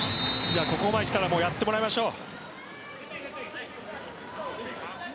ここまできたらやってもらいましょう。